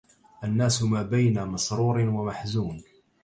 الناس ما بين مسرور ومحزون